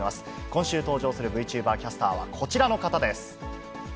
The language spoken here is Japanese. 今週登場するＶＴｕｂｅｒキャスターはこちらの方です。